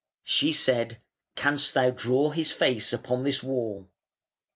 She said, "Canst thou draw his face upon this wall?"